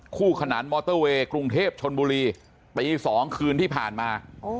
ขนานมอเตอร์เวย์กรุงเทพชนบุรีตี๒คืนที่ผ่านมา